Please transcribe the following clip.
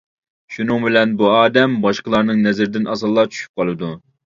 شۇنىڭ بىلەن، بۇ ئادەم باشقىلارنىڭ نەزىرىدىن ئاسانلا چۈشۈپ قالىدۇ.